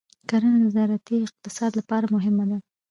کرنه د زراعتي اقتصاد لپاره مهمه ده.